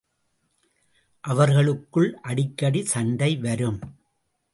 அவர்களுக்குள் அடிக்கடி சண்டை வரும்.